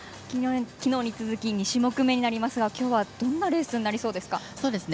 昨日に続き２種目めになりますが今日はどんなレースになりそうですか？